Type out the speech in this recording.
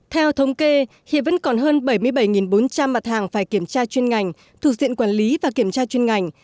theo thống kê hiện vẫn còn hơn bảy mươi bảy bốn trăm linh mặt hàng phải kiểm tra chuyên ngành thuộc diện quản lý và kiểm tra chuyên ngành